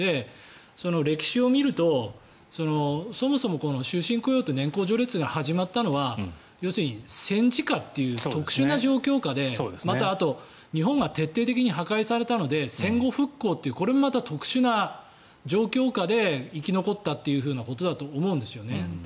歴史を見ると、そもそもこの終身雇用と年功序列が始まったのは、要するに戦時下という特殊な状況下でまたあと日本が徹底的に破壊されたので戦後復興というこれもまた特殊な状況下で生き残ったということだと思うんですよね。